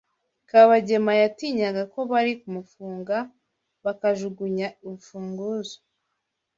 Kabagema yatinyaga ko bari kumufunga bakajugunya urufunguzo.